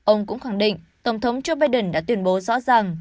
ông cũng khẳng định tổng thống joe biden đã tuyên bố rõ ràng